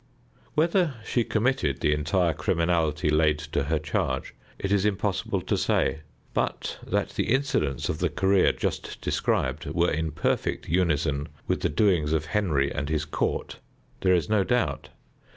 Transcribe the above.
Whether she committed the entire criminality laid to her charge it is impossible to say, but that the incidents of the career just described were in perfect unison with the doings of Henry and his court there is no doubt.